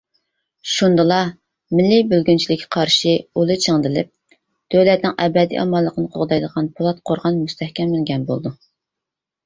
شۇندىلا مىللىي بۆلگۈنچىلىككە قارشى ئۇلى چىڭدىلىپ، دۆلەتنىڭ ئەبەدىي ئامانلىقىنى قوغدايدىغان پولات قورغان مۇستەھكەملەنگەن بولىدۇ .